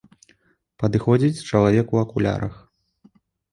Падыходзіць чалавек у акулярах.